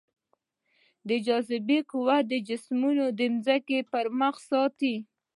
د جاذبې قوه جسمونه د ځمکې پر مخ ساتي.